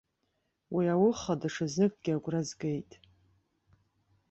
Уи ауха даҽа зныкгьы агәра згеит.